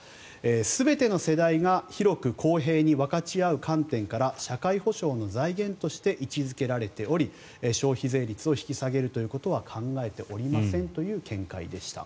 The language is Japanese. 全ての世代が広く公平に分かち合う観点から社会保障の財源として位置付けられており消費税率を引き下げるということは考えておりませんという見解でした。